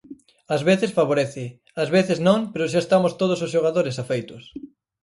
Ás veces favorece, ás veces non pero xa estamos todos os xogadores afeitos.